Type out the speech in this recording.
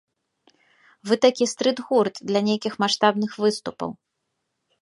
Вы такі стрыт-гурт, для нейкіх маштабных выступаў.